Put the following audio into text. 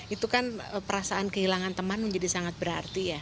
itu kan perasaan kehilangan teman menjadi sangat berarti ya